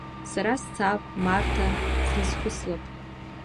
Сара сцап, Марҭа слызхәыцлап.